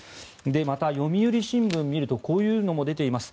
また、読売新聞を見るとこういうのも出ています。